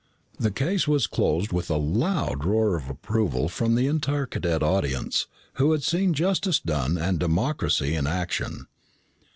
The case was closed with a loud roar of approval from the entire cadet audience, who had seen justice done and democracy in action.